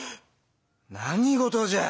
何事じゃ。